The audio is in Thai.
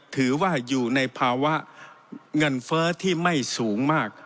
ถือว่าอยู่ในภาวะเงินเฟ้อที่ไม่สูงมาก